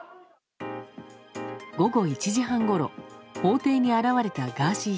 午後１時半ごろ法廷に現れたガーシー